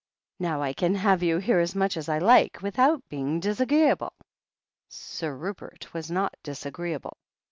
Now I can have you here as much as I like, without his being disag'eeable." Sir Rupert was not disagreeable.